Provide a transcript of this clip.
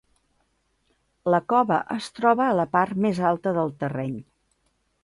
La cova es troba a la part més alta del terreny.